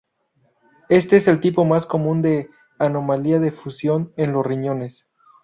Éste es el tipo más común de anomalía de fusión en los riñones.